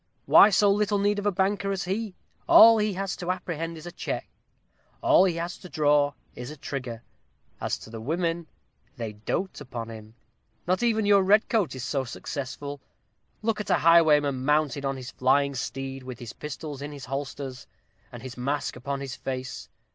Who so little need of a banker as he? all he has to apprehend is a check all he has to draw is a trigger. As to the women, they dote upon him: not even your red coat is so successful. Look at a highwayman mounted on his flying steed, with his pistols in his holsters, and his mask upon his face.